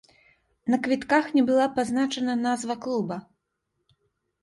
На квітках не была пазначана назва клуба.